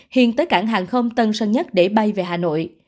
hiền tới cảng hàng không tân sơn nhất để bay về hà nội